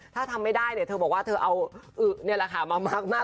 ถ้าทำไม่ได้เอาอึนแหละค่ะมามาร์คหน้า